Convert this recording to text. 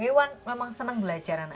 hewan memang senang belajaran